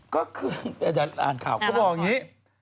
ก็คืออาจารย์อ่านข่าวก็บอกอย่างนี้